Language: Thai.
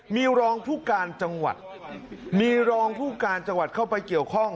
มีรองผู้การจังหวัดมีรองผู้การจังหวัดเข้าไปเกี่ยวข้อง